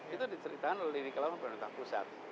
itu diceritakan oleh lidik keluarga pemerintah pusat